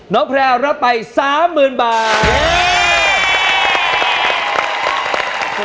น้องแพรวรับไป๓๐๐๐๐บาท